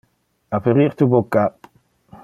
Aperir tu bucca!